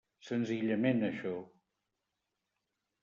Senzillament això.